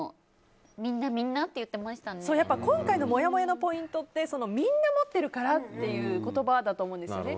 今回のもやもやのポイントってみんな持ってるからっていう言葉だと思うんですよね。